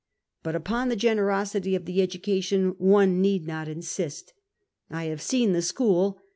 But upon the generosity of the education one need not insist. I have seen the school.